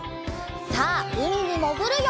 さあうみにもぐるよ！